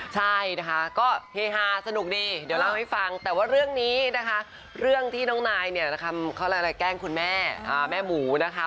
ใช่นะคะก็เฮฮาสนุกดีเดี๋ยวเล่าให้ฟังแต่ว่าเรื่องนี้นะคะเรื่องที่น้องนายเนี่ยเขาเรียกอะไรแกล้งคุณแม่แม่หมูนะคะ